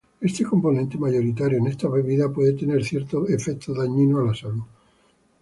Este componente, mayoritario en estas bebidas, puede tener ciertos efectos dañinos a la salud.